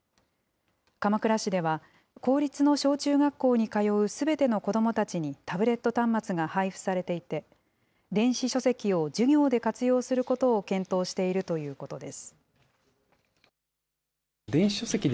鎌倉市では、公立の小中学校に通うすべての子どもたちにタブレット端末が配布されていて、電子書籍を授業で活用することを検討しているということです。